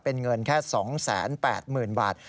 เป็นเงินแค่๒๘๐๐๐บาท